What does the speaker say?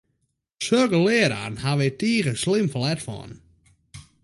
Sokke leararen hawwe wy tige slim ferlet fan!